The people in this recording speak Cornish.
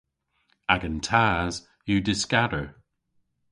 Agan tas yw dyskador.